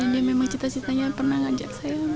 dia memang cita citanya pernah ngajak saya